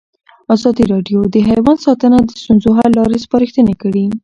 ازادي راډیو د حیوان ساتنه د ستونزو حل لارې سپارښتنې کړي.